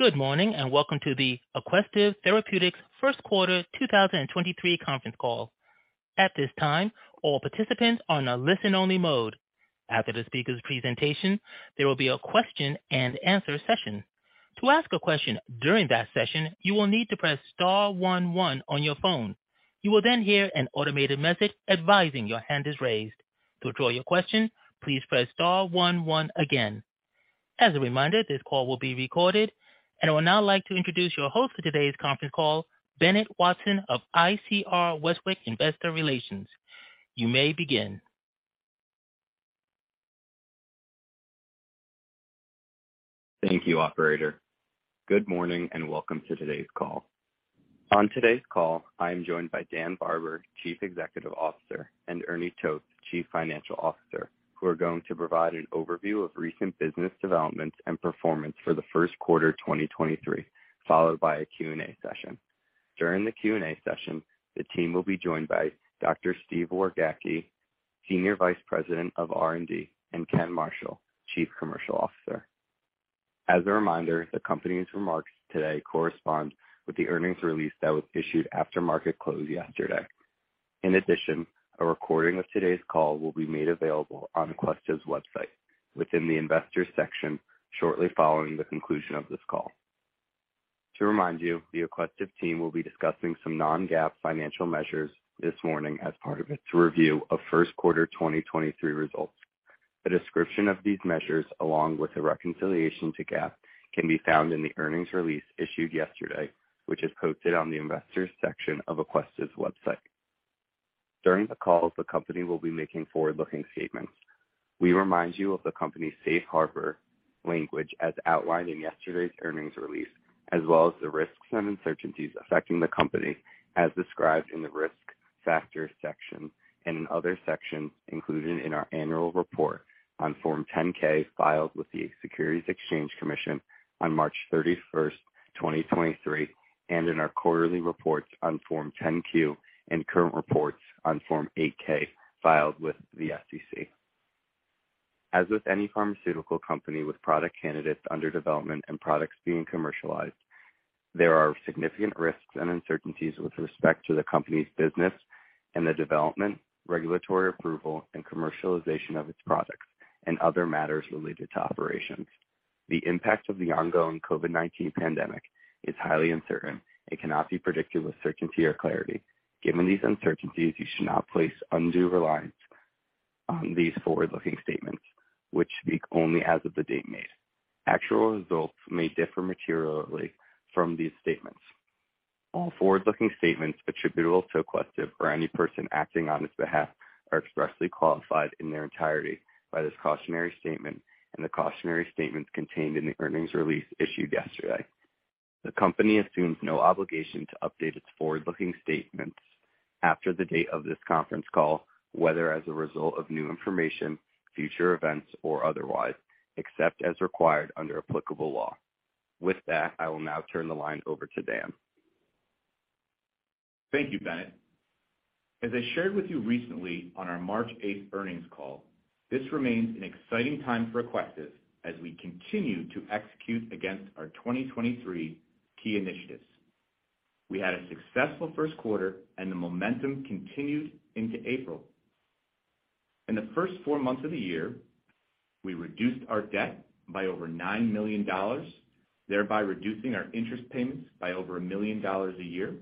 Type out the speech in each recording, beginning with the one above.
Good morning, welcome to the Aquestive Therapeutics first quarter 2023 conference call. At this time, all participants are on a listen-only mode. After the speaker's presentation, there will be a question and answer session. To ask a question during that session, you will need to press star one one on your phone. You will then hear an automated message advising your hand is raised. To withdraw your question, please press star one one again. As a reminder, this call will be recorded. I would now like to introduce your host for today's conference call, Bennett Watson of ICR Westwicke Investor Relations. You may begin. Thank you, operator. Good morning, welcome to today's call. On today's call, I am joined by Dan Barber, Chief Executive Officer, and Ernie Toth, Chief Financial Officer, who are going to provide an overview of recent business developments and performance for the first quarter 2023, followed by a Q&A session. During the Q&A session, the team will be joined by Dr. Steve Wargacki, Senior Vice President of R&D, and Ken Marshall, Chief Commercial Officer. As a reminder, the company's remarks today correspond with the earnings release that was issued after market close yesterday. A recording of today's call will be made available on Aquestive's website within the investors section shortly following the conclusion of this call. To remind you, the Aquestive team will be discussing some non-GAAP financial measures this morning as part of its review of first quarter 2023 results. A description of these measures, along with the reconciliation to GAAP, can be found in the earnings release issued yesterday, which is posted on the investors section of Aquestive's website. During the call, the company will be making forward-looking statements. We remind you of the company's safe harbor language as outlined in yesterday's earnings release, as well as the risks and uncertainties affecting the company as described in the Risk Factors section and in other sections included in our annual report on Form 10-K filed with the Securities and Exchange Commission on March 31st, 2023, and in our quarterly reports on Form 10-Q and current reports on Form 8-K filed with the SEC. As with any pharmaceutical company with product candidates under development and products being commercialized, there are significant risks and uncertainties with respect to the company's business and the development, regulatory approval, and commercialization of its products and other matters related to operations. The impact of the ongoing COVID-19 pandemic is highly uncertain and cannot be predicted with certainty or clarity. Given these uncertainties, you should not place undue reliance on these forward-looking statements, which speak only as of the date made. Actual results may differ materially from these statements. All forward-looking statements attributable to Aquestive or any person acting on its behalf are expressly qualified in their entirety by this cautionary statement and the cautionary statements contained in the earnings release issued yesterday. The company assumes no obligation to update its forward-looking statements after the date of this conference call, whether as a result of new information, future events, or otherwise, except as required under applicable law. With that, I will now turn the line over to Dan. Thank you, Bennett. As I shared with you recently on our March 8th earnings call, this remains an exciting time for Aquestive as we continue to execute against our 2023 key initiatives. We had a successful first quarter, and the momentum continued into April. In the first four months of the year, we reduced our debt by over $9 million, thereby reducing our interest payments by over $1 million a year,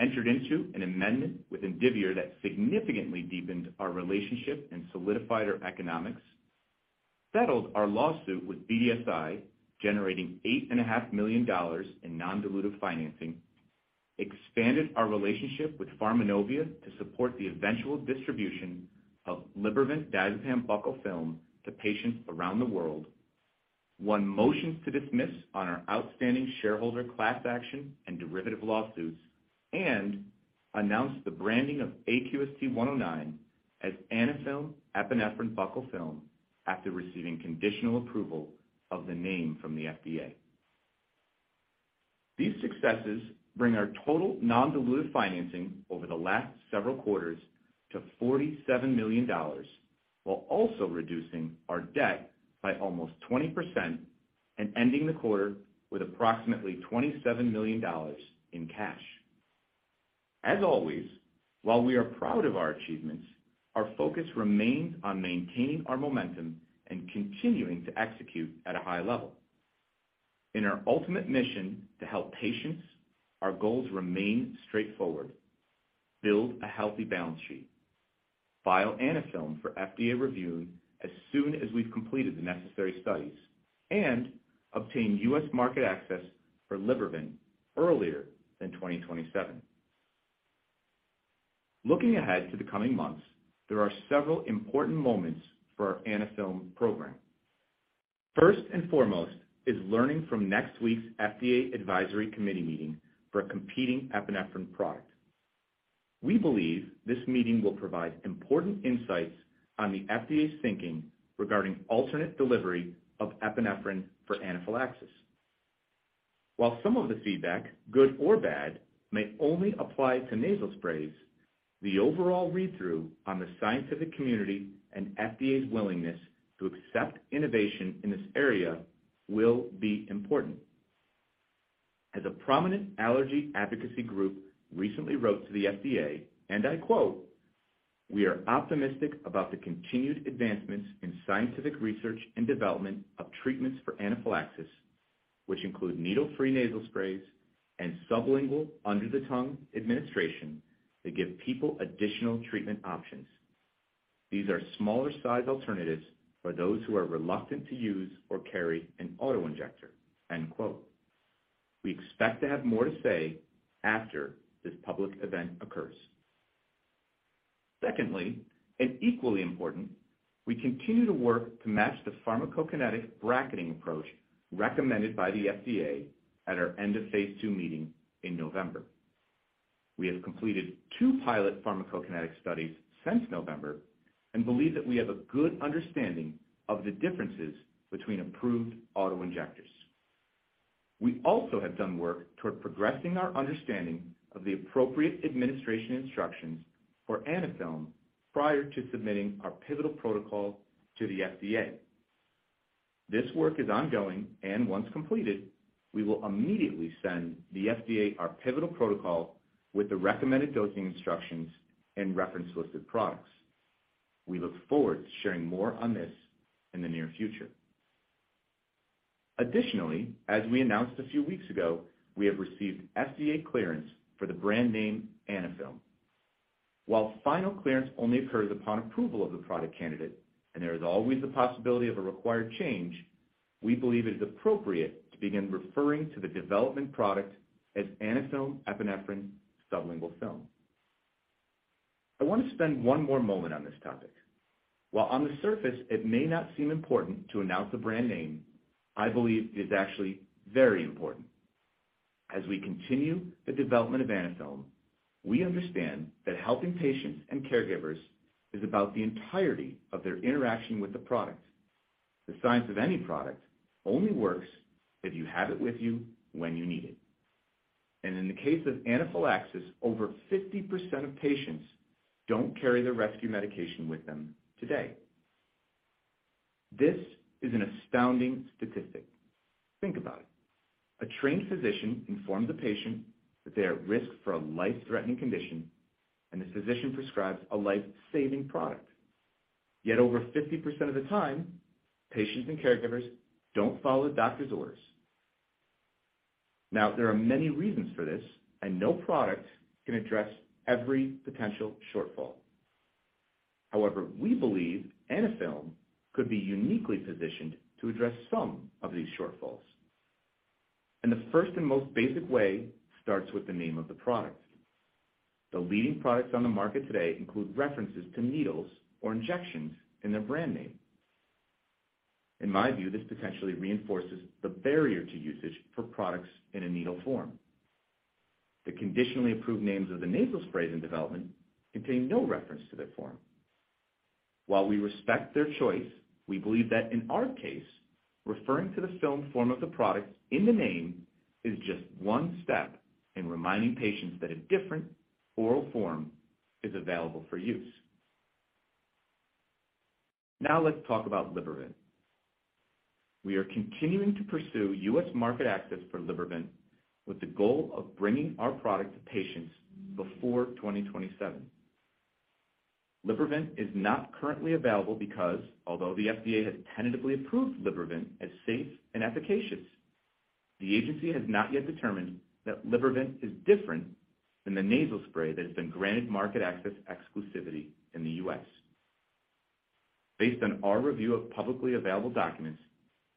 entered into an amendment with Indivior that significantly deepened our relationship and solidified our economics, settled our lawsuit with BDSI, generating $8.5 million in non-dilutive financing, expanded our relationship with Pharmanovia to support the eventual distribution of Libervant diazepam buccal film to patients around the world, won motions to dismiss on our outstanding shareholder class action and derivative lawsuits, and announced the branding of AQST-109 as Anaphylm epinephrine sublingual film after receiving conditional approval of the name from the FDA. These successes bring our total non-dilutive financing over the last several quarters to $47 million while also reducing our debt by almost 20% and ending the quarter with approximately $27 million in cash. While we are proud of our achievements, our focus remains on maintaining our momentum and continuing to execute at a high level. In our ultimate mission to help patients, our goals remain straightforward: build a healthy balance sheet, file Anaphylm for FDA review as soon as we've completed the necessary studies, and obtain U.S. market access for Libervant earlier than 2027. Looking ahead to the coming months, there are several important moments for our Anaphylm program. First and foremost is learning from next week's FDA Advisory Committee meeting for a competing epinephrine product. We believe this meeting will provide important insights on the FDA's thinking regarding alternate delivery of epinephrine for anaphylaxis. While some of the feedback, good or bad, may only apply to nasal sprays, the overall read-through on the scientific community and FDA's willingness to accept innovation in this area will be important. As a prominent allergy advocacy group recently wrote to the FDA, and I quote, "We are optimistic about the continued advancements in scientific research and development of treatments for anaphylaxis, which include needle-free nasal sprays and sublingual under-the-tongue administration that give people additional treatment options. These are smaller size alternatives for those who are reluctant to use or carry an auto-injector." End quote. We expect to have more to say after this public event occurs. Secondly, equally important, we continue to work to match the pharmacokinetic bracketing approach recommended by the FDA at our end of phase two meeting in November. We have completed two pilot pharmacokinetic studies since November and believe that we have a good understanding of the differences between approved auto-injectors. We also have done work toward progressing our understanding of the appropriate administration instructions for Anaphylm prior to submitting our pivotal protocol to the FDA. This work is ongoing, and once completed, we will immediately send the FDA our pivotal protocol with the recommended dosing instructions and reference listed products. We look forward to sharing more on this in the near future. Additionally, as we announced a few weeks ago, we have received FDA clearance for the brand name Anaphylm. While final clearance only occurs upon approval of the product candidate, and there is always the possibility of a required change, we believe it is appropriate to begin referring to the development product as Anaphylm Epinephrine Sublingual Film. I want to spend one more moment on this topic. While on the surface it may not seem important to announce the brand name, I believe it is actually very important. As we continue the development of Anaphylm, we understand that helping patients and caregivers is about the entirety of their interaction with the product. The science of any product only works if you have it with you when you need it. In the case of anaphylaxis, over 50% of patients don't carry their rescue medication with them today. This is an astounding statistic. Think about it. A trained physician informs a patient that they are at risk for a life-threatening condition, and the physician prescribes a life-saving product. Yet over 50% of the time, patients and caregivers don't follow the doctor's orders. There are many reasons for this, and no product can address every potential shortfall. However, we believe Anaphylm could be uniquely positioned to address some of these shortfalls. The first and most basic way starts with the name of the product. The leading products on the market today include references to needles or injections in their brand name. In my view, this potentially reinforces the barrier to usage for products in a needle form. The conditionally approved names of the nasal sprays in development contain no reference to their form. While we respect their choice, we believe that in our case, referring to the film form of the product in the name is just one step in reminding patients that a different oral form is available for use. Now let's talk about Libervant. We are continuing to pursue U.S. market access for Libervant with the goal of bringing our product to patients before 2027. Libervant is not currently available because although the FDA has tentatively approved Libervant as safe and efficacious, the agency has not yet determined that Libervant is different than the nasal spray that has been granted market access exclusivity in the U.S. Based on our review of publicly available documents,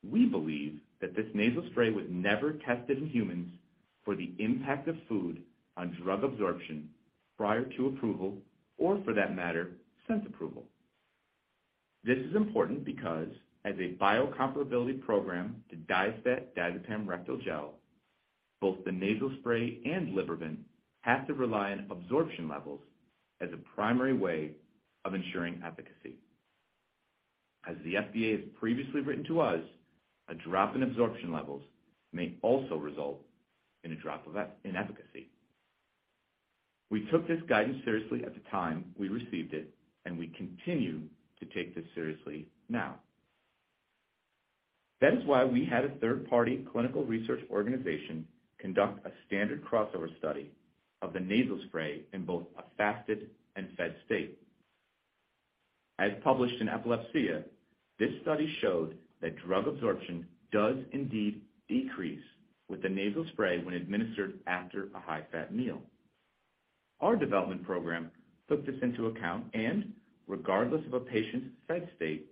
we believe that this nasal spray was never tested in humans for the impact of food on drug absorption prior to approval, or for that matter, since approval. This is important because as a biocompatibility program to Diastat diazepam rectal gel, both the nasal spray and Libervant have to rely on absorption levels as a primary way of ensuring efficacy. As the FDA has previously written to us, a drop in absorption levels may also result in a drop in efficacy. We took this guidance seriously at the time we received it, and we continue to take this seriously now. That is why we had a third-party clinical research organization conduct a standard crossover study of the nasal spray in both a fasted and fed state. As published in Epilepsia, this study showed that drug absorption does indeed decrease with the nasal spray when administered after a high-fat meal. Our development program took this into account, and regardless of a patient's fed state,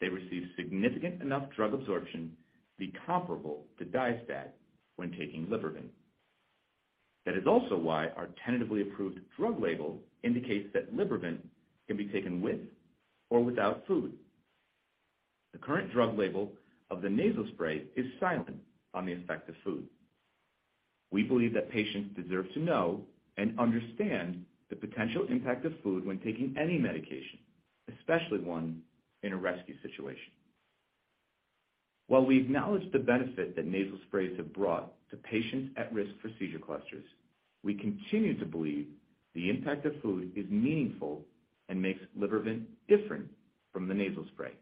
they received significant enough drug absorption to be comparable to Diastat when taking Libervant. That is also why our tentatively approved drug label indicates that Libervant can be taken with or without food. The current drug label of the nasal spray is silent on the effect of food. We believe that patients deserve to know and understand the potential impact of food when taking any medication, especially one in a rescue situation. While we acknowledge the benefit that nasal sprays have brought to patients at risk for seizure clusters, we continue to believe the impact of food is meaningful and makes Libervant different from the nasal spray.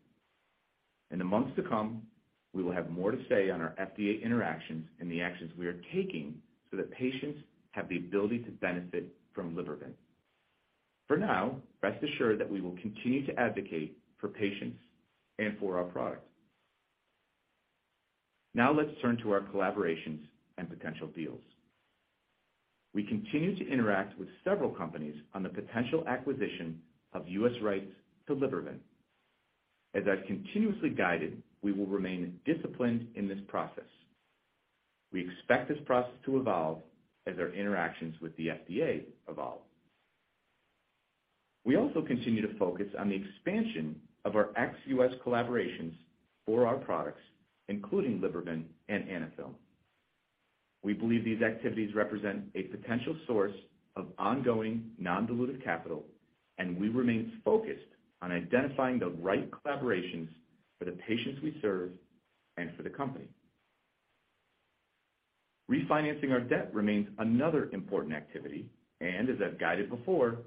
In the months to come, we will have more to say on our FDA interactions and the actions we are taking so that patients have the ability to benefit from Libervant. For now, rest assured that we will continue to advocate for patients and for our product. Let's turn to our collaborations and potential deals. We continue to interact with several companies on the potential acquisition of US rights to Libervant. As I've continuously guided, we will remain disciplined in this process. We expect this process to evolve as our interactions with the FDA evolve. We also continue to focus on the expansion of our ex-US collaborations for our products, including Libervant and Anaphylm. We believe these activities represent a potential source of ongoing non-dilutive capital, and we remain focused on identifying the right collaborations for the patients we serve and for the company. Refinancing our debt remains another important activity, and as I've guided before,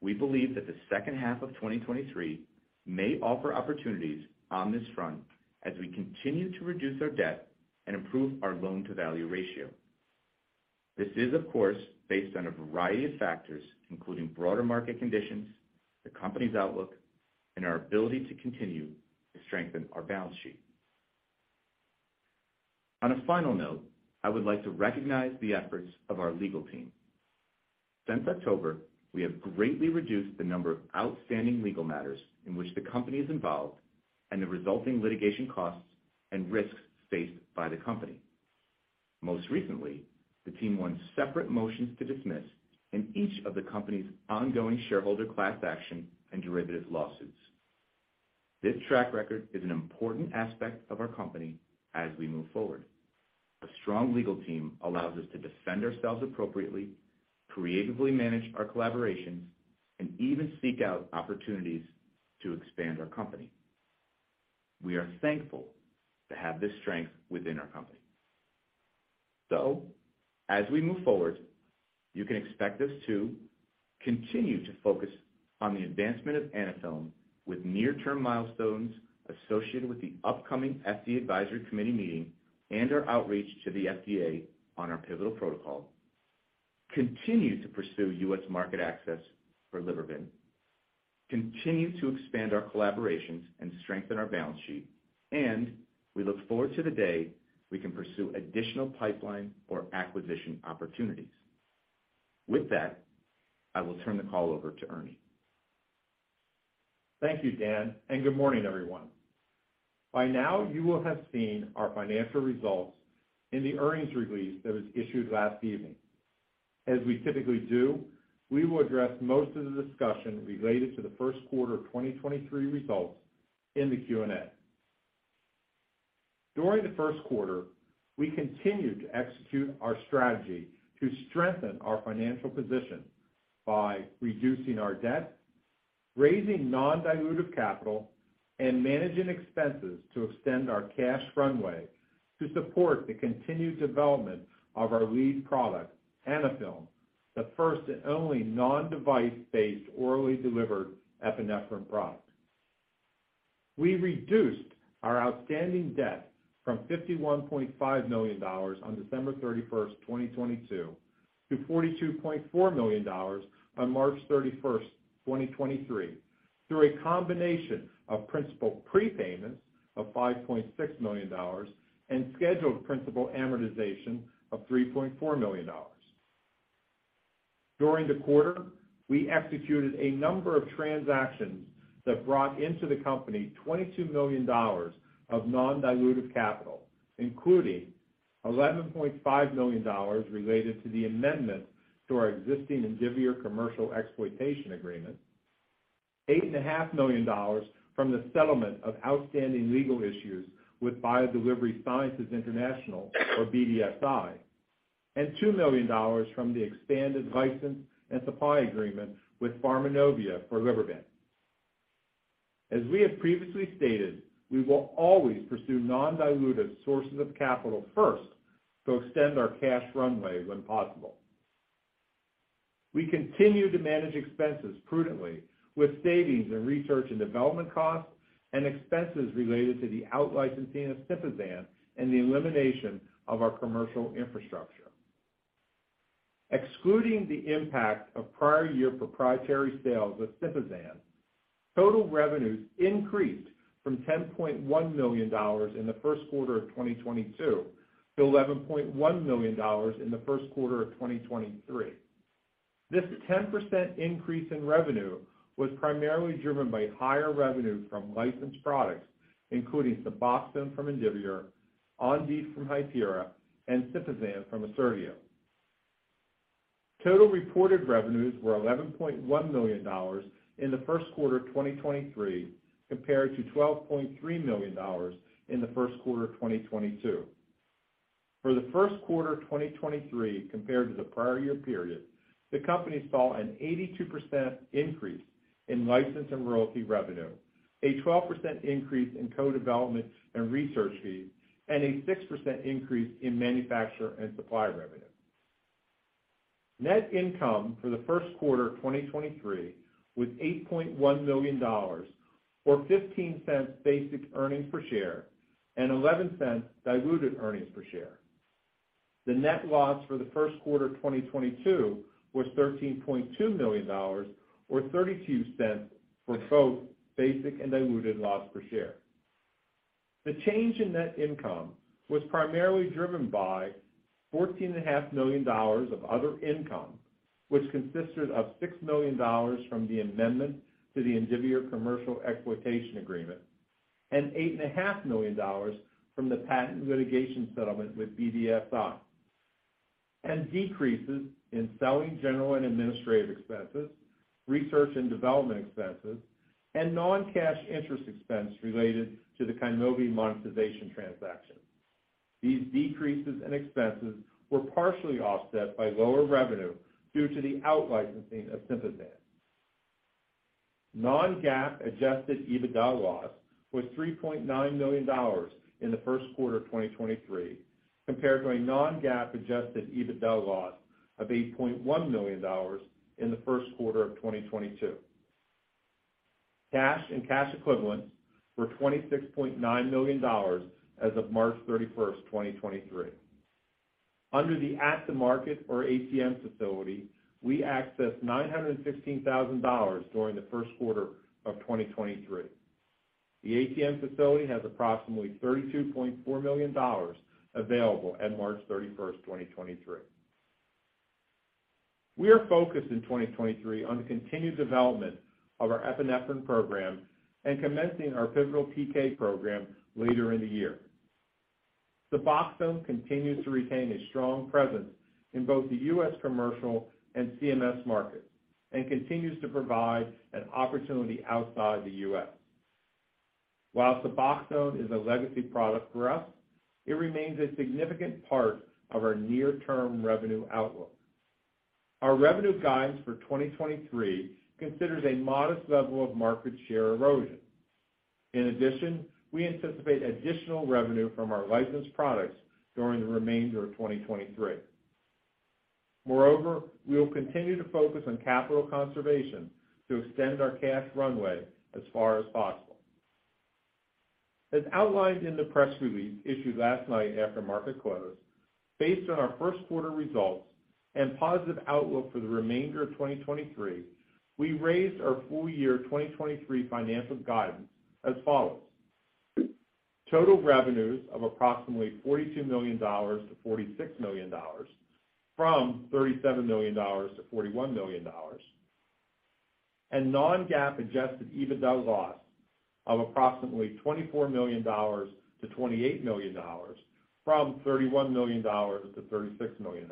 we believe that the second half of 2023 may offer opportunities on this front as we continue to reduce our debt and improve our loan-to-value ratio. This is, of course, based on a variety of factors, including broader market conditions, the company's outlook, and our ability to continue to strengthen our balance sheet. On a final note, I would like to recognize the efforts of our legal team. Since October, we have greatly reduced the number of outstanding legal matters in which the company is involved and the resulting litigation costs and risks faced by the company. Most recently, the team won separate motions to dismiss in each of the company's ongoing shareholder class action and derivative lawsuits. This track record is an important aspect of our company as we move forward. A strong legal team allows us to defend ourselves appropriately, creatively manage our collaborations, and even seek out opportunities to expand our company. We are thankful to have this strength within our company. As we move forward, you can expect us to continue to focus on the advancement of Anaphylm with near-term milestones associated with the upcoming FDA Advisory Committee meeting and our outreach to the FDA on our pivotal protocol. Continue to pursue U.S. market access for Libervant. Continue to expand our collaborations and strengthen our balance sheet, and we look forward to the day we can pursue additional pipeline or acquisition opportunities. With that, I will turn the call over to Ernie. Thank you, Dan. Good morning, everyone. By now, you will have seen our financial results in the earnings release that was issued last evening. As we typically do, we will address most of the discussion related to the first quarter of 2023 results in the Q&A. During the first quarter, we continued to execute our strategy to strengthen our financial position by reducing our debt, raising non-dilutive capital, and managing expenses to extend our cash runway to support the continued development of our lead product, Anaphylm, the first and only non-device-based orally delivered epinephrine product. We reduced our outstanding debt from $51.5 million on December 31, 2022, to $42.4 million on March 31, 2023, through a combination of principal prepayments of $5.6 million and scheduled principal amortization of $3.4 million. During the quarter, we executed a number of transactions that brought into the company $22 million of non-dilutive capital, including $11.5 million related to the amendment to our existing Indivior commercial exploitation agreement, $8.5 million from the settlement of outstanding legal issues with BioDelivery Sciences International, or BDSI, and $2 million from the expanded license and supply agreement with Pharmanovia for Libervant. As we have previously stated, we will always pursue non-dilutive sources of capital first to extend our cash runway when possible. We continue to manage expenses prudently with savings in research and development costs and expenses related to the out-licensing of SYMPAZAN and the elimination of our commercial infrastructure. Excluding the impact of prior year proprietary sales of SYMPAZAN, total revenues increased from $10.1 million in the first quarter of 2022 to $11.1 million in the first quarter of 2023. This 10% increase in revenue was primarily driven by higher revenue from licensed products, including SUBOXONE from Indivior, Ondif from Hypera, and SYMPAZAN from Assertio. Total reported revenues were $11.1 million in the first quarter of 2023, compared to $12.3 million in the first quarter of 2022. For the first quarter of 2023 compared to the prior year period, the company saw an 82% increase in license and royalty revenue, a 12% increase in co-development and research fees, and a 6% increase in manufacturer and supply revenue. Net income for the first quarter of 2023 was $8.1 million, or $0.15 basic earnings per share, and $0.11 diluted earnings per share. The net loss for the first quarter of 2022 was $13.2 million, or $0.32 for both basic and diluted loss per share. The change in net income was primarily driven by $14.5 million of other income, which consisted of $6 million from the amendment to the Indivior Commercial Exploitation Agreement and $8.5 million from the patent litigation settlement with BDSI. Decreases in selling, general and administrative expenses, research and development expenses, and non-cash interest expense related to the KYNMOBI monetization transaction. These decreases in expenses were partially offset by lower revenue due to the out-licensing of SYMPAZAN. non-GAAP adjusted EBITDA loss was $3.9 million in the first quarter of 2023, compared to a non-GAAP adjusted EBITDA loss of $8.1 million in the first quarter of 2022. Cash and cash equivalents were $26.9 million as of March 31, 2023. Under the at-the-market, or ATM facility, we accessed $915,000 during the first quarter of 2023. The ATM facility has approximately $32.4 million available at March 31, 2023. We are focused in 2023 on the continued development of our epinephrine program and commencing our pivotal PK program later in the year. SUBOXONE continues to retain a strong presence in both the U.S. commercial and CMS market and continues to provide an opportunity outside the U.S. While SUBOXONE is a legacy product for us, it remains a significant part of our near-term revenue outlook. Our revenue guidance for 2023 considers a modest level of market share erosion. In addition, we anticipate additional revenue from our licensed products during the remainder of 2023. Moreover, we will continue to focus on capital conservation to extend our cash runway as far as possible. As outlined in the press release issued last night after market close, based on our first quarter results and positive outlook for the remainder of 2023, we raised our full year 2023 financial guidance as follows: Total revenues of approximately $42 million-$46 million, from $37 million-$41 million. non-GAAP adjusted EBITDA loss of approximately $24 million-$28 million, from $31 million-$36 million.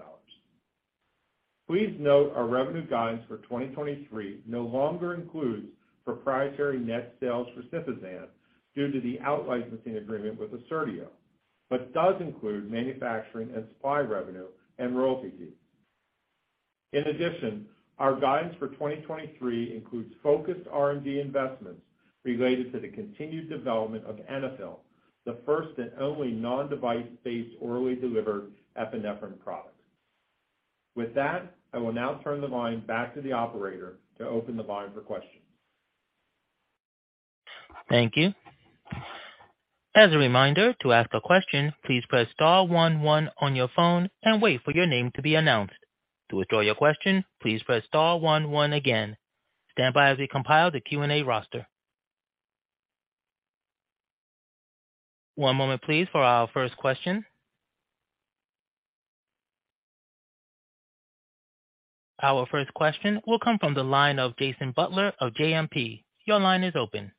Please note our revenue guidance for 2023 no longer includes proprietary net sales for SYMPAZAN due to the out-licensing agreement with Assertio, but does include manufacturing and supply revenue and royalty fees. Our guidance for 2023 includes focused R&D investments related to the continued development of Anaphylm, the first and only non-device-based orally delivered epinephrine product. With that, I will now turn the line back to the operator to open the line for questions. Thank you. As a reminder, to ask a question, please press star one one on your phone and wait for your name to be announced. To withdraw your question, please press star one one again. Stand by as we compile the Q&A roster. One moment please for our first question. Our first question will come from the line of Jason Butler of JMP. Your line is open.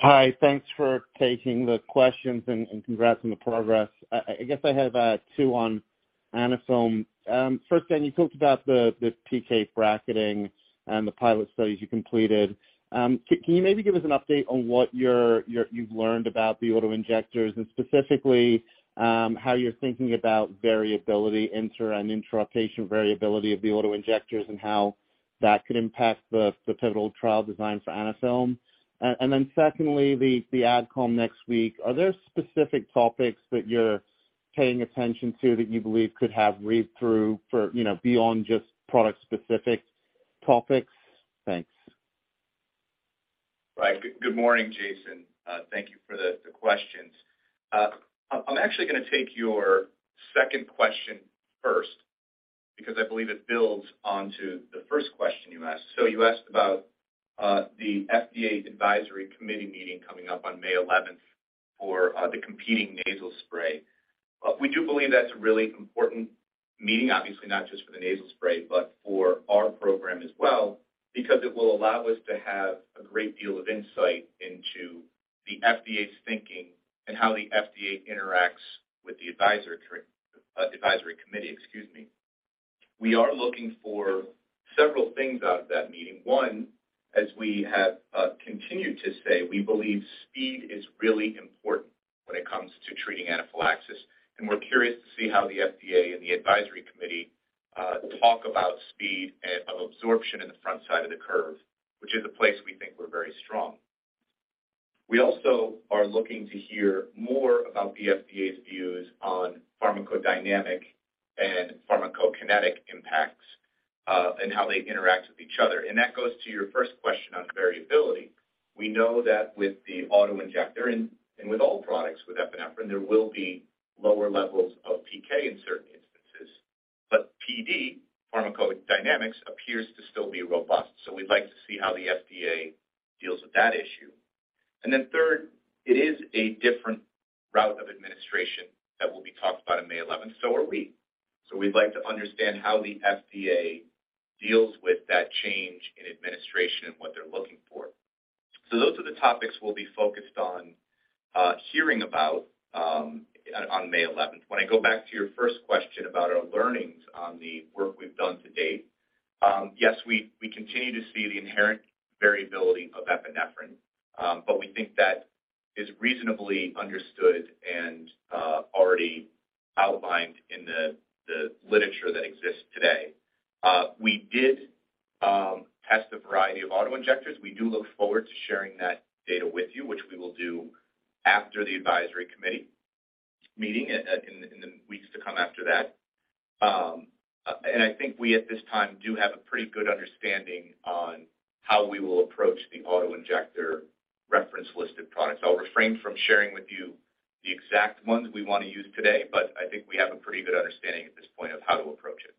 Hi. Thanks for taking the questions, and congrats on the progress. I guess I have two on Anaphylm. First, Dan, you talked about the PK bracketing and the pilot studies you completed. Can you maybe give us an update on what you've learned about the auto-injectors, and specifically, how you're thinking about variability, inter- and intra-patient variability of the auto-injectors and how that could impact the pivotal trial design for Anaphylm? Then secondly, the AdCom next week, are there specific topics that you're paying attention to that you believe could have read-through for, you know, beyond just product-specific topics? Thanks. Right. Good morning, Jason. Thank you for the questions. I'm actually gonna take your second question first because I believe it builds onto the first question you asked. You asked about the FDA's advisory committee meeting coming up on May 11th for the competing nasal spray. We do believe that's a really important meeting, obviously, not just for the nasal spray, but- For our program as well, because it will allow us to have a great deal of insight into the FDA's thinking and how the FDA interacts with the advisory committee, excuse me. We are looking for several things out of that meeting. One, as we have continued to say, we believe speed is really important when it comes to treating anaphylaxis, and we're curious to see how the FDA and the advisory committee talk about speed and of absorption in the front side of the curve, which is a place we think we're very strong. We also are looking to hear more about the FDA's views on pharmacodynamic and pharmacokinetic impacts, and how they interact with each other. That goes to your first question on variability. We know that with the auto-injector and with all products with epinephrine, there will be lower levels of PK in certain instances. PD, pharmacodynamics, appears to still be robust, so we'd like to see how the FDA deals with that issue. Then third, it is a different route of administration that will be talked about on May 11th. We'd like to understand how the FDA deals with that change in administration and what they're looking for. Those are the topics we'll be focused on hearing about on May 11th. When I go back to your first question about our learnings on the work we've done to date, yes, we continue to see the inherent variability of epinephrine, but we think that is reasonably understood and already outlined in the literature that exists today. We did test a variety of auto-injectors. We do look forward to sharing that data with you, which we will do after the Advisory Committee meeting in the weeks to come after that. I think we at this time do have a pretty good understanding on how we will approach the auto-injector reference list of products. I'll refrain from sharing with you the exact ones we wanna use today, but I think we have a pretty good understanding at this point of how to approach it.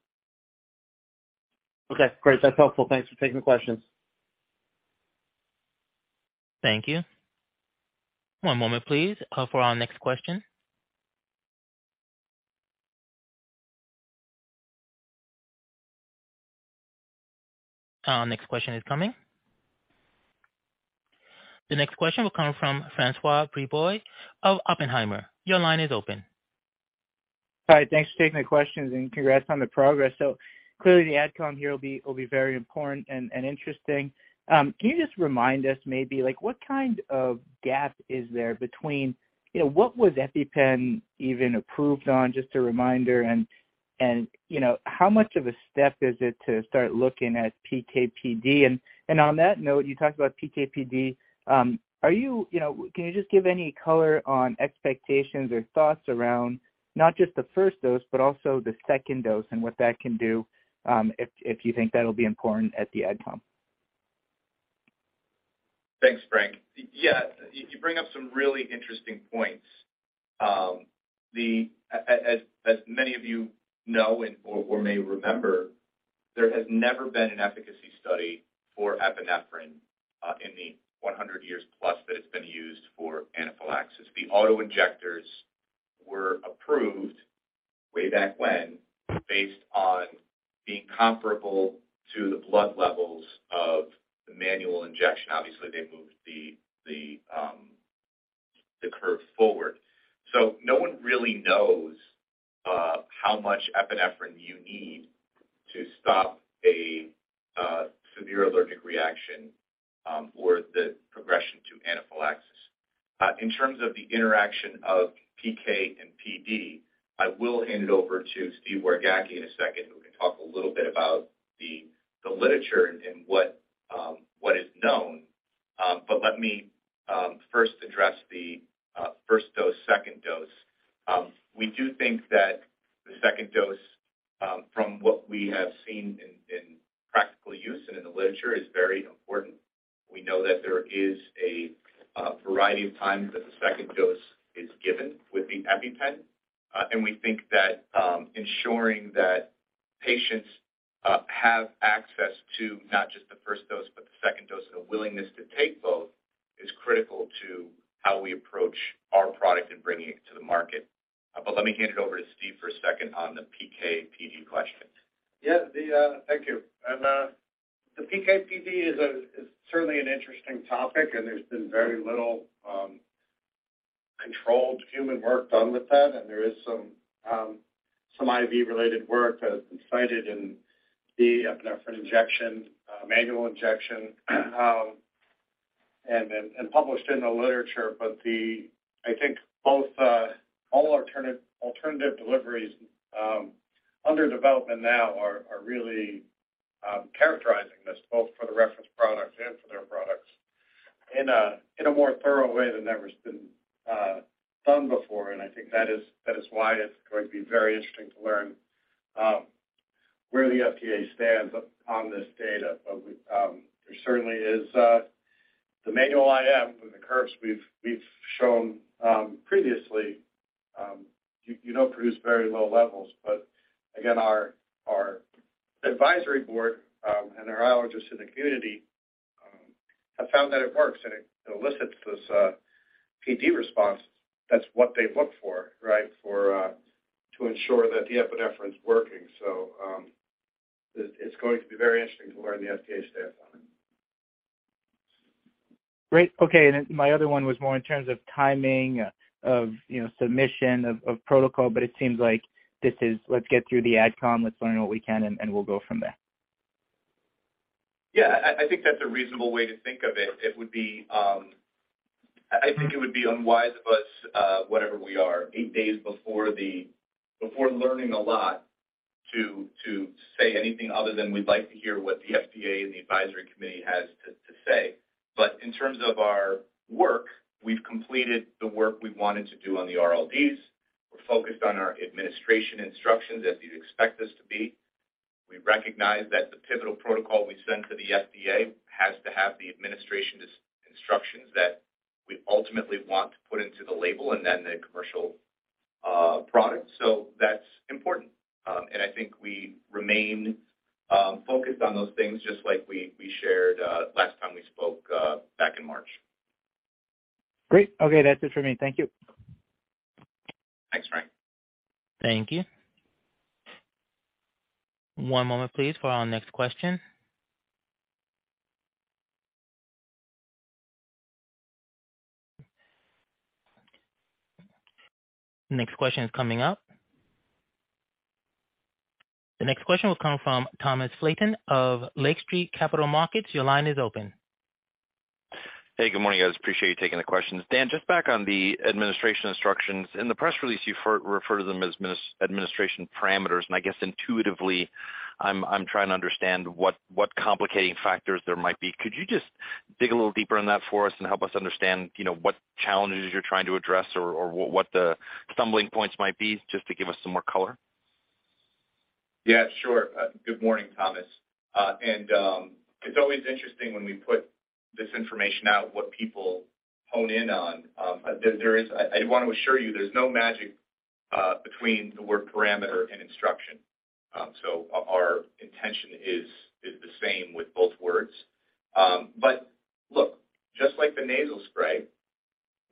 Okay, great. That's helpful. Thanks for taking the questions. Thank you. One moment please, for our next question. Our next question is coming. The next question will come from François Brisebois of Oppenheimer. Your line is open. Hi. Thanks for taking my questions, and congrats on the progress. Clearly, the outcome here will be very important and interesting. Can you just remind us maybe, like, what kind of gap is there between, you know, what was EpiPen even approved on? Just a reminder and, you know, how much of a step is it to start looking at PK/PD? On that note, you talked about PK/PD. Can you just give any color on expectations or thoughts around not just the first dose, but also the second dose and what that can do, if you think that'll be important at the outcome? Thanks, Frank. Yes, you bring up some really interesting points. As many of you know and or may remember, there has never been an efficacy study for epinephrine in the 100 years plus that it's been used for anaphylaxis. The auto-injectors were approved way back when based on being comparable to the blood levels of the manual injection. Obviously, they moved the curve forward. No one really knows how much epinephrine you need to stop a severe allergic reaction or the progression to anaphylaxis. In terms of the interaction of PK and PD, I will hand it over to Steve Wargacki in a second, who can talk a little bit about the literature and what is known. Let me first address the first dose, second dose. We do think that the second dose, from what we have seen in practical use and in the literature is very important. We know that there is a variety of times that the second dose is given with the EpiPen, and we think that ensuring that patients have access to not just the first dose, but the second dose and a willingness to take both is critical to how we approach our product in bringing it to the market. Let me hand it over to Steve for a second on the PK/PD questions. Thank you. The PK/PD is certainly an interesting topic, and there's been very little controlled human work done with that. There is some IV-related work that has been cited in the epinephrine injection, manual injection, and published in the literature. I think both all alternative deliveries under development now are really characterizing this both for the reference products and for their products in a more thorough way than ever has been done before. I think that is, that is why it's going to be very interesting to learn where the FDA stands on this data. There certainly is the manual IM and the curves we've shown previously, you know, produce very low levels. Again, our advisory board, and our allergists in the community I found that it works and it elicits this, PD response. That's what they look for, right? For to ensure that the epinephrine is working. It's going to be very interesting to learn the FDA staff on it. Great. Okay. My other one was more in terms of timing of, you know, submission of protocol, but it seems like this is let's get through the AdCom, let's learn what we can and we'll go from there. Yeah, I think that's a reasonable way to think of it. It would be, I think it would be unwise of us, whatever we are, eight days before learning a lot to say anything other than we'd like to hear what the FDA and the advisory committee has to say. In terms of our work, we've completed the work we wanted to do on the RLDs. We're focused on our administration instructions as you'd expect us to be. We recognize that the pivotal protocol we send to the FDA has to have the administration instructions that we ultimately want to put into the label and then the commercial product. That's important. I think we remain focused on those things just like we shared last time we spoke back in March. Great. Okay, that's it for me. Thank you. Thanks, Frank. Thank you. One moment please for our next question. Next question is coming up. The next question will come from Thomas Flaten of Lake Street Capital Markets. Your line is open. Hey, good morning, guys. Appreciate you taking the questions. Dan, just back on the administration instructions. In the press release, you refer to them as administration parameters. I guess intuitively I'm trying to understand what complicating factors there might be. Could you just dig a little deeper on that for us and help us understand, you know, what challenges you're trying to address or what the stumbling points might be just to give us some more color? Yeah, sure. Good morning, Thomas. It's always interesting when we put this information out what people hone in on. I want to assure you there's no magic between the word parameter and instruction. Our intention is the same with both words. Look, just like the nasal spray,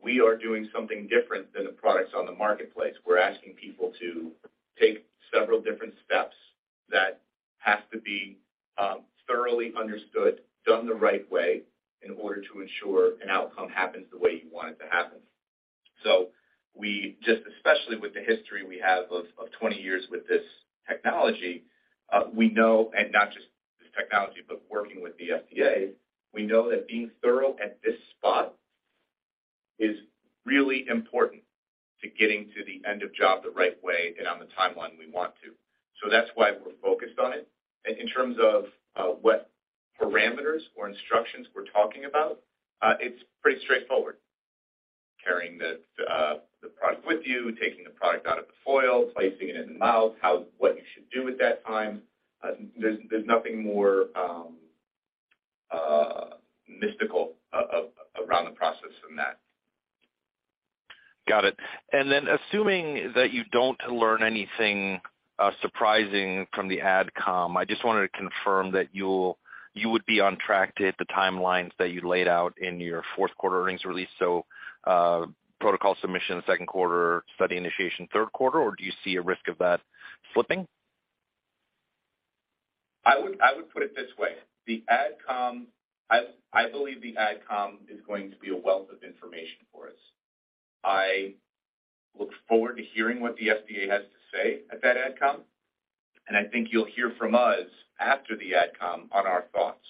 we are doing something different than the products on the marketplace. We're asking people to take several different steps that have to be thoroughly understood, done the right way in order to ensure an outcome happens the way you want it to happen. We just, especially with the history we have of 20 years with this technology, we know and not just this technology, but working with the FDA, we know that being thorough at this spot is really important to getting to the end of job the right way and on the timeline we want to. That's why we're focused on it. In terms of what parameters or instructions we're talking about, it's pretty straightforward. Carrying the product with you, taking the product out of the foil, placing it in the mouth, what you should do at that time. There's nothing more mystical around the process than that. Got it. Assuming that you don't learn anything surprising from the AdCom, I just wanted to confirm that you would be on track to hit the timelines that you laid out in your fourth quarter earnings release. Protocol submission second quarter, study initiation third quarter, or do you see a risk of that slipping? I would put it this way, the AdCom, I believe the AdCom is going to be a wealth of information for us. I look forward to hearing what the FDA has to say at that AdCom, and I think you'll hear from us after the AdCom on our thoughts.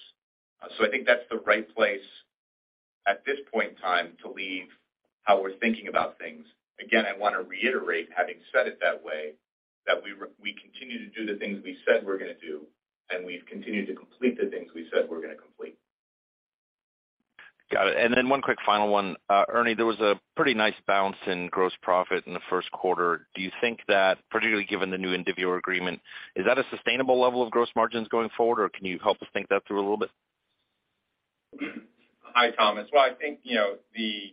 I think that's the right place at this point in time to leave how we're thinking about things. Again, I want to reiterate having said it that way, that we continue to do the things we said we're going to do, and we've continued to complete the things we said we're going to complete. Got it. Then one quick final one. Ernie, there was a pretty nice bounce in gross profit in the first quarter. Do you think that particularly given the new Indivior agreement, is that a sustainable level of gross margins going forward, or can you help us think that through a little bit? Hi, Thomas. Well, I think, you know, the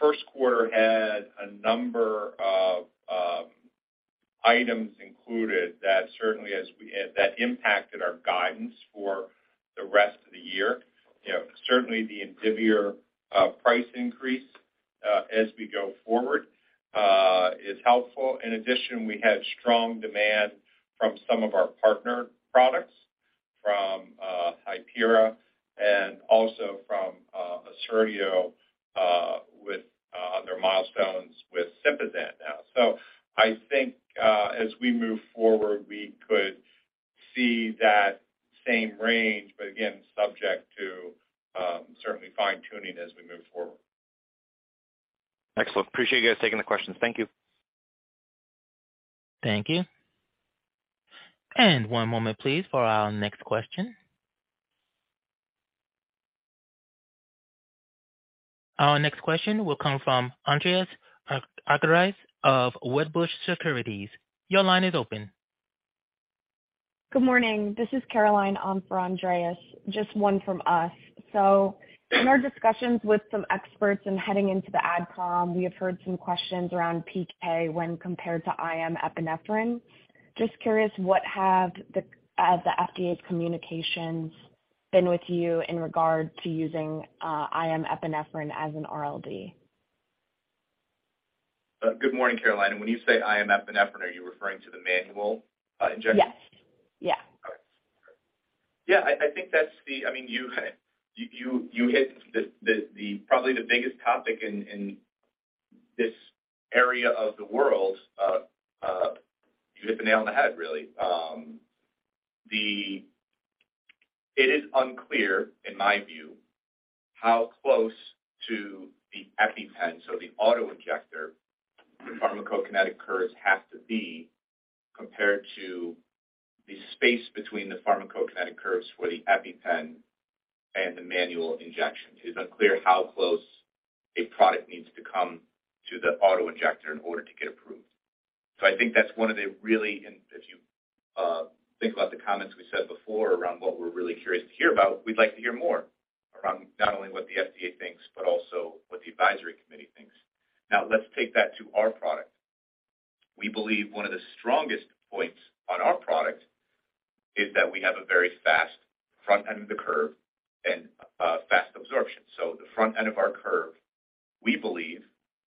first quarter had a number of items included that certainly that impacted our guidance for the rest of the year. You know, certainly the Indivior price increase as we go forward is helpful. In addition, we had strong demand from some of our partner products from Hypera and also from Assertio with on their milestones with SYMPAZAN now. I think as we move forward, we could see that same range. Again, subject to certainly fine-tuning as we move forward. Excellent. Appreciate you guys taking the questions. Thank you. Thank you. One moment please for our next question. Our next question will come from Andreas Argyrides of Wedbush Securities. Your line is open. Good morning. This is Caroline on for Andreas, just one from us. In our discussions with some experts in heading into the AdCom, we have heard some questions around PK when compared to IM epinephrine. Just curious, what has the FDA's communications been with you in regard to using IM epinephrine as an RLD? Good morning, Caroline. When you say I.M. epinephrine, are you referring to the manual injection? Yes. Yeah. Yeah, I think that's the, I mean, you hit the probably the biggest topic in this area of the world. You hit the nail on the head, really. It is unclear in my view how close to the EpiPen, so the auto-injector pharmacokinetic curves have to be compared to the space between the pharmacokinetic curves for the EpiPen and the manual injections. It's unclear how close a product needs to come to the auto-injector in order to get approved. I think that's one of the really, and if you think about the comments we said before around what we're really curious to hear about, we'd like to hear more around not only what the FDA thinks, but also what the advisory committee thinks. Let's take that to our product. We believe one of the strongest points on our product is that we have a very fast front end of the curve and fast absorption. The front end of our curve, we believe,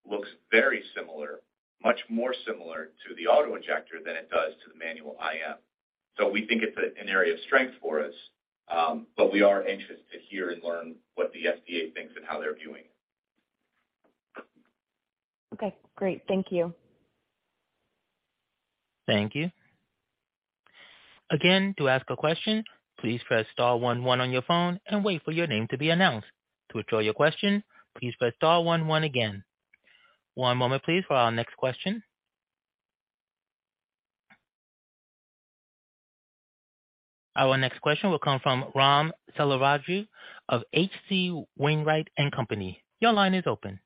looks very similar, much more similar to the auto-injector than it does to the manual IM. We think it's an area of strength for us. We are interested to hear and learn what the FDA thinks and how they're viewing it. Okay, great. Thank you. Thank you. Again, to ask a question, please press star one one on your phone and wait for your name to be announced. To withdraw your question, please press star one one again. One moment please for our next question. Our next question will come from Ram Selvaraju of H.C. Wainwright & Co.. Your line is open.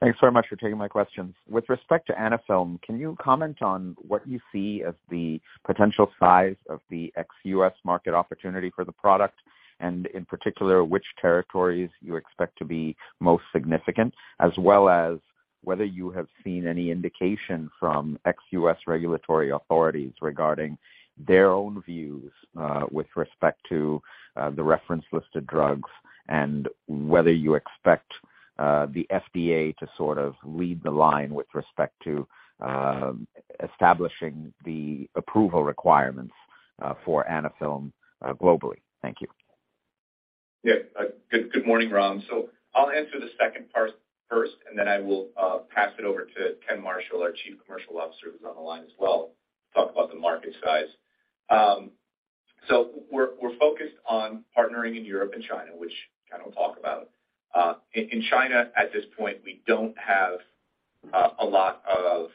Thanks very much for taking my questions. With respect to Anaphylm, can you comment on what you see as the potential size of the ex-U.S. market opportunity for the product? In particular, which territories you expect to be most significant, as well as whether you have seen any indication from ex-U.S. regulatory authorities regarding their own views, with respect to, the reference list of drugs and whether you expect the FDA to sort of lead the line with respect to, establishing the approval requirements, for Anaphylm, globally. Thank you. Good morning, Ram. I'll answer the second part first, and then I will pass it over to Ken Marshall, our Chief Commercial Officer, who's on the line as well, to talk about the market size. We're focused on partnering in Europe and China, which Ken will talk about. In China at this point, we don't have a lot of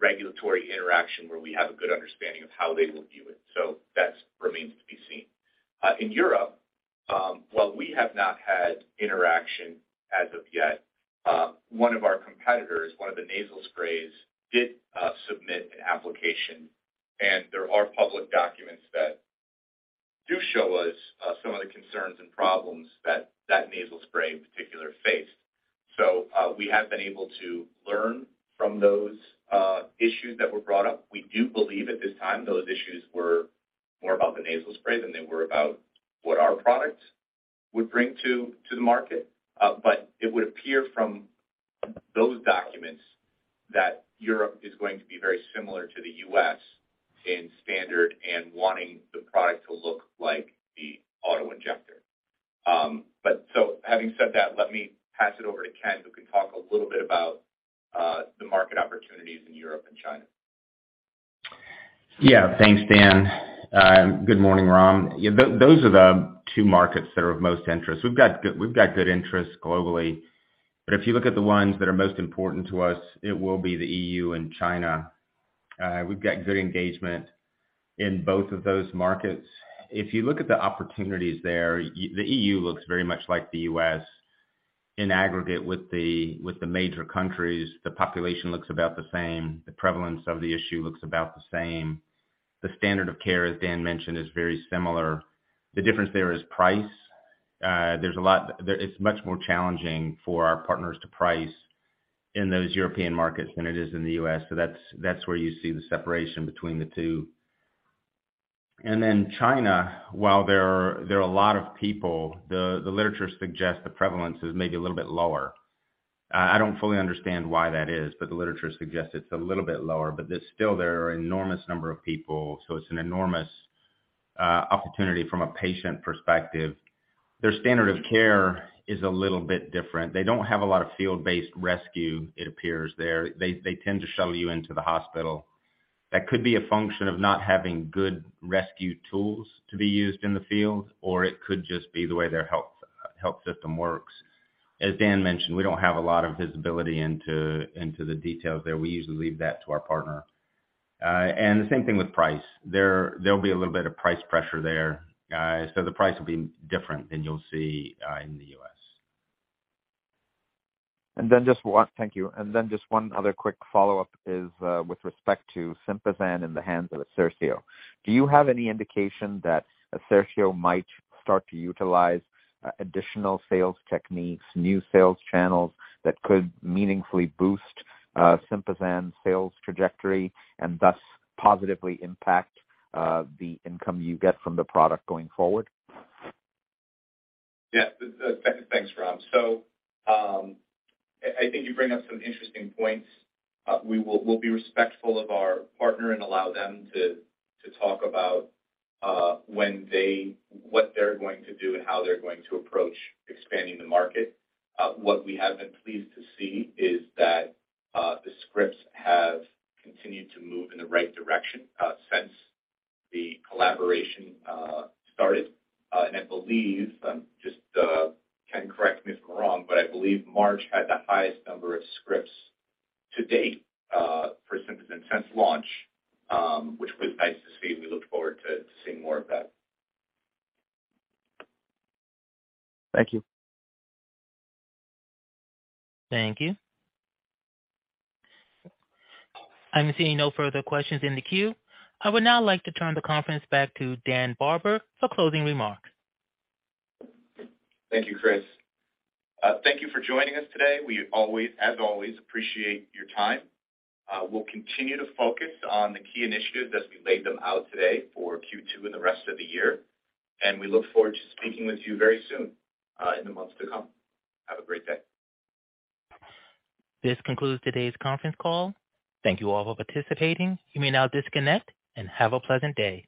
regulatory interaction where we have a good understanding of how they will view it, so that's remains to be seen. In Europe, while we have not had interaction as of yet, one of our competitors, one of the nasal sprays did submit an application, and there are public documents that do show us some of the concerns and problems that that nasal spray in particular faced. We have been able to learn from those issues that were brought up. We do believe at this time those issues were more about the nasal spray than they were about what our product would bring to the market. It would appear from those documents that Europe is going to be very similar to the U.S. in standard and wanting the product to look like the auto-injector. Having said that, let me pass it over to Ken, who can talk a little bit about the market opportunities in Europe and China. Yeah. Thanks, Dan. Good morning, Ram. Yeah, those are the two markets that are of most interest. We've got good interest globally, but if you look at the ones that are most important to us, it will be the EU and China. We've got good engagement in both of those markets. If you look at the opportunities there, the EU looks very much like the US in aggregate with the major countries. The population looks about the same. The prevalence of the issue looks about the same. The standard of care, as Dan mentioned, is very similar. The difference there is price. There's a lot. It's much more challenging for our partners to price in those European markets than it is in the US, so that's where you see the separation between the two. China, while there are a lot of people, the literature suggests the prevalence is maybe a little bit lower. I don't fully understand why that is, but the literature suggests it's a little bit lower. There's still, there are enormous number of people, so it's an enormous opportunity from a patient perspective. Their standard of care is a little bit different. They don't have a lot of field-based rescue, it appears, there. They tend to shuttle you into the hospital. That could be a function of not having good rescue tools to be used in the field, or it could just be the way their health system works. As Dan mentioned, we don't have a lot of visibility into the details there. We usually leave that to our partner. The same thing with price. There'll be a little bit of price pressure there. The price will be different than you'll see, in the U.S. Thank you. Just one other quick follow-up is, with respect to SYMPAZAN in the hands of Assertio. Do you have any indication that Assertio might start to utilize additional sales techniques, new sales channels that could meaningfully boost SYMPAZAN's sales trajectory and thus positively impact the income you get from the product going forward? Yeah. Thanks, Ram. I think you bring up some interesting points. We'll be respectful of our partner and allow them to talk about what they're going to do and how they're going to approach expanding the market. What we have been pleased to see is that the scripts have continued to move in the right direction since the collaboration started. I believe, just Ken, correct me if I'm wrong, but I believe March had the highest number of scripts to date for SYMPAZAN since launch, which was nice to see. We look forward to seeing more of that. Thank you. Thank you. I'm seeing no further questions in the queue. I would now like to turn the conference back to Dan Barber for closing remarks. Thank you, Chris. Thank you for joining us today. We always, as always, appreciate your time. We'll continue to focus on the key initiatives as we laid them out today for Q2 and the rest of the year. We look forward to speaking with you very soon, in the months to come. Have a great day. This concludes today's conference call. Thank you all for participating. You may now disconnect and have a pleasant day.